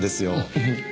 フフッ。